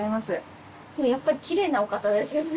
でもやっぱりきれいなお方ですよね。